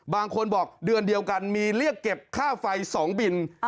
บางคนบอกเดือนเดียวกันมีเรียกเก็บค่าไฟ๒บิน